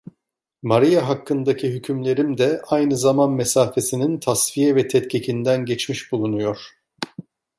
Maria hakkındaki hükümlerim de aynı zaman mesafesinin tasfiye ve tetkikinden geçmiş bulunuyor.